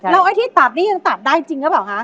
แล้วไอ้ที่ตัดนี่ยังตัดได้จริงหรือเปล่าคะ